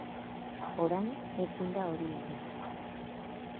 Orain ezin da hori egin.